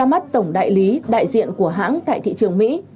bắt tổng đại lý đại diện của hãng tại thị trường mỹ